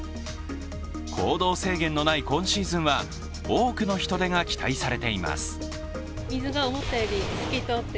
行動制限のない今シーズンは多くの人出が期待されています。